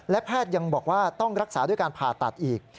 และแพทย์ยังบอกว่าต้องรักษาด้วยการผ่าตัดอีก